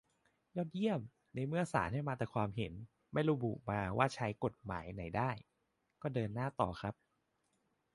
ยอดเยี่ยม ในเมื่อศาลให้มาแต่ความเห็น ไม่ระบุมาด้วยว่าใช้ข้อกฎหมายไหนได้ ก็เดินหน้าต่อครับ